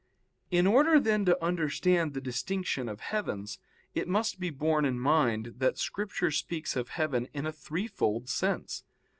In order, then, to understand the distinction of heavens, it must be borne in mind that Scripture speaks of heaven in a threefold sense.